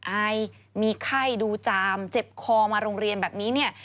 อายมีไข้ดูจามเจ็บคอมาโรงเรียนแบบนี้เนี่ย